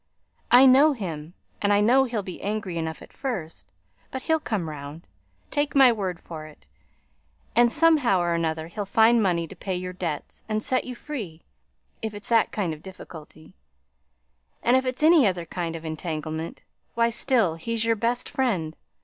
I know him; and I know he'll be angry enough at first, but he'll come round, take my word for it; and, somehow or another, he'll find money to pay your debts and set you free, if it's that kind of difficulty; and if it's any other kind of entanglement, why still he's your best friend.